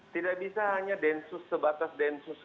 tidak bisa hanya densus sebatas densus